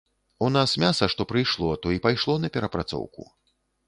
У нас мяса што прыйшло, то і пайшло на перапрацоўку.